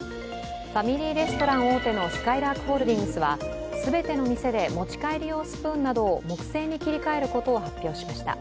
ファミリーレストラン大手のすかいらーくホールディングスは全ての店で持ち帰りスプーンを木製に切り替えることを発表しました。